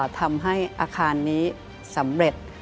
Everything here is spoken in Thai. ทำให้อาคารนี้สำเร็จ